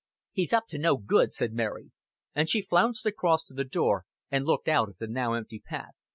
"He's up to no good," said Mary; and she flounced across to the door, and looked out at the now empty path.